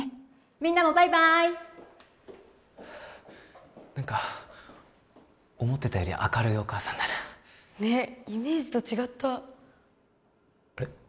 みんなもバイバーイ何か思ってたより明るいお母さんだなねっイメージと違ったあれ？